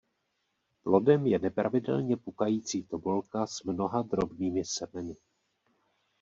Plodem je nepravidelně pukající tobolka s mnoha drobnými semeny.